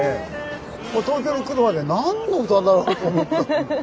俺東京に来るまで何の歌だろうと思った。